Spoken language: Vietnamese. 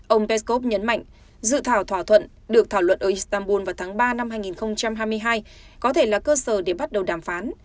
ông peskov nhấn mạnh dự thảo thỏa thuận được thảo luận ở istanbul vào tháng ba năm hai nghìn hai mươi hai có thể là cơ sở để bắt đầu đàm phán